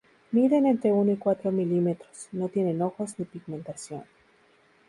Miden entre uno y cuatro milímetros, no tienen ojos ni pigmentación.